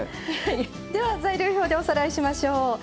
材料表でおさらいしましょう。